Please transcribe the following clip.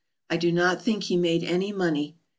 I do not think he made any money.